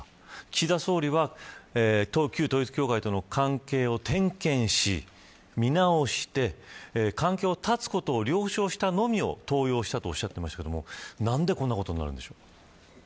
岸田総理は旧統一教会との関係を点検し見直して関係を断つことを了承したのみを登用したとおっしゃっていましたがなんでこんなことになるんでしょうか。